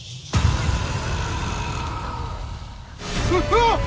うわっ！